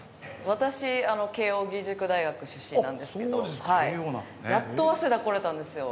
私あの慶應義塾大学出身なんですけどやっと早稲田来られたんですよ。